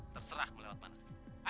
terserah melewat mana